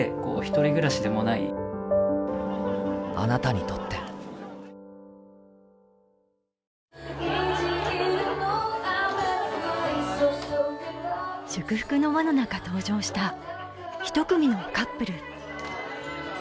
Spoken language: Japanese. あなたにとって祝福の輪の中、登場した１組のカップル。